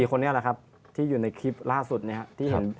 คนนี้แหละครับที่อยู่ในคลิปล่าสุดที่เห็น